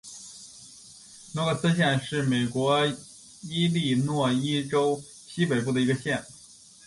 诺克斯县是美国伊利诺伊州西北部的一个县。